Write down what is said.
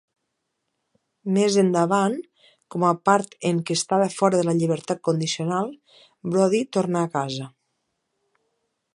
Més endavant, com a part en que estava fora de la llibertat condicional, Brody torna a casa.